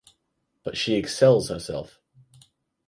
But she excels herself.